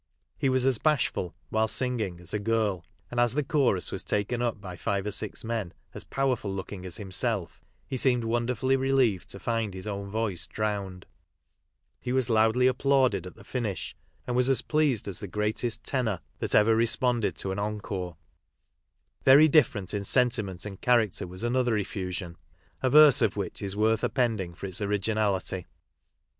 He was as bashful, while singing, as a girl, and as the chorus was taken up by five or six men as powerful looking as himself he # seemed wonderfully relieved to find his own voice drowned. He was loudly applauded at the nnish, and was as pleased as the greatest tenor that CltlillNAL MAN CUE ST Jill— BEAN : GAMIJLINO AND inWto U.v ;. II ever responded to an encore. Very different in sentiment and character was another effusion, averse of which is worth appending for its originality.